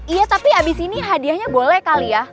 iya tapi abis ini hadiahnya boleh kali ya